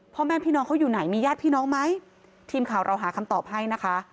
พ่อแม่พี่น้องเขาอยู่ไหนมีญาติพี่น้องไหมทีมข่าวเราหาคำตอบให้นะคะ